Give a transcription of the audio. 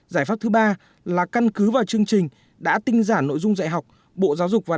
giải pháp thứ ba là căn cứ vào chương trình đã tinh giản nội dung dạy học